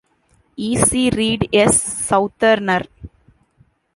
E. C. Reid, a Southerner.